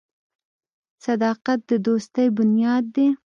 • صداقت د دوستۍ بنیاد دی.